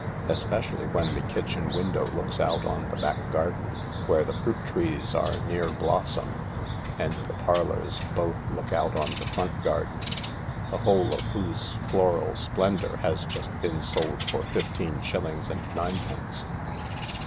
Especially when the kitchen window looks out on the back garden, where the fruit trees are near blossom, and the parlours both look out on the front garden, the whole of whose floral splendour has just been sold for fifteen shil lings and ninepence.